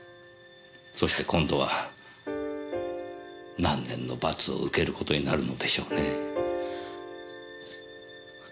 そして今度は何年の罰を受ける事になるのでしょうねえ？